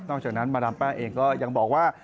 จากนั้นมาดามแป้งเองก็ยังบอกว่า